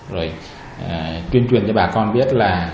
rồi truyền truyền cho bà con biết là